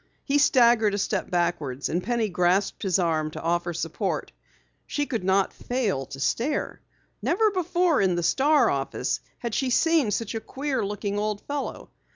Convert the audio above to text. He staggered a step backwards and Penny grasped his arm to offer support. She could not fail to stare. Never before in the Star office had she seen such a queer looking old fellow.